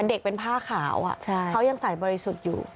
เด็กเป็นผ้าขาวเขายังใส่บริสุทธิ์อยู่